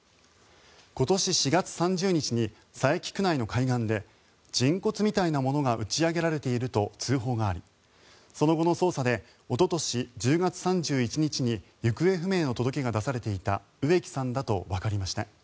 今年４月３０日に佐伯区内の海岸で人骨みたいなものが打ち上げられていると通報がありその後の捜査でおととし１０月３１日に行方不明の届けが出されていた植木さんだとわかりました。